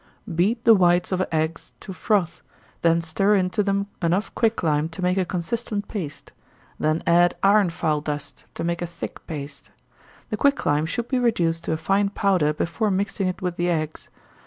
_ Beat the whites of eggs to a froth, then stir into them enough quicklime to make a consistent paste, then add iron file dust, to make a thick paste. The quicklime should be reduced to a fine powder before mixing it with the eggs.